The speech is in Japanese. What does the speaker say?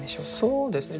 そうですね